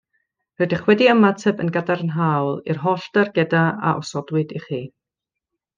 Rydych wedi ymateb yn gadarnhaol i'r holl dargedau a osodwyd i chi